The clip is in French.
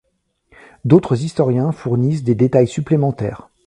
D'autres historiens fournissent des détails supplémentaires.